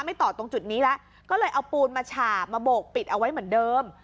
ต่อตรงจุดนี้แล้วก็เลยเอาปูนมาฉาบมาโบกปิดเอาไว้เหมือนเดิม